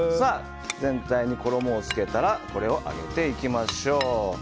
全体に衣をつけたらこれを揚げていきましょう。